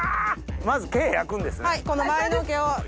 まず毛焼くんですね。